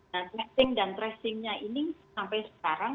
nah testing dan tracing nya ini sampai sekarang